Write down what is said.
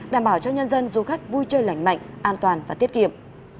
đảm bảo cho nhân dân du khách vui chơi lành mạnh an toàn và tiết kiệm